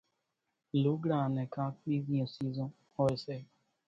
لوڳڙان انين ڪانڪ ٻيزِيوُن سيزون هوئيَ سي۔